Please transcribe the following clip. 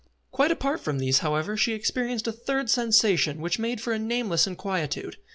Quite apart from these, however, she experienced a third sensation which made for a nameless inquietude.